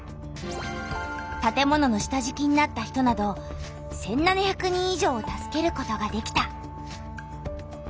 たて物の下じきになった人など１７００人以上を助けることができた。